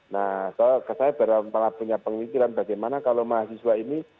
nah saya malah punya pemikiran bagaimana kalau mahasiswa ini